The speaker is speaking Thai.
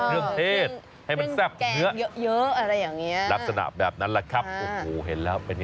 ที่จะใส่อะไรล่ะคือผัดพัดแบบหอมแ